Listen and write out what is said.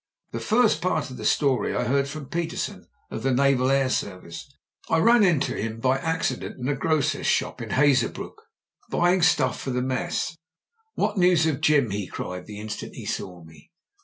The first part of the story I heard from Petersen, of the Naval Air Service. I ran into him by accident JIM BRENT'S V.C 139 in a grocer's shop in Hazebrouck — ^buying stuff for the mess. "\Yhat news of Jim?" he cried, the instant he saw me.